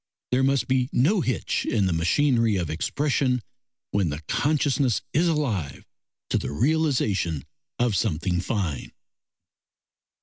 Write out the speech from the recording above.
There must be no hitch in the machinery of expression when the consciousness is alive to the realisation of something fine.